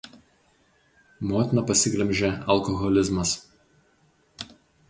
Motiną pasiglemžė alkoholizmas.